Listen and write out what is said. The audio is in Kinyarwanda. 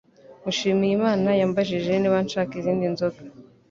Mushimiyimana yambajije niba nshaka izindi nzoga.